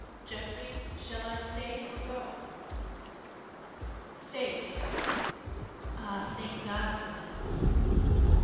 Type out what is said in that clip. Geoffrey, shall I stay or go?" "Stay, Sylvia. Ah, thank God for this!"